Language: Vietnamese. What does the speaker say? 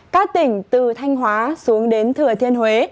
các tỉnh từ thanh hóa xuống đến thừa thiên huế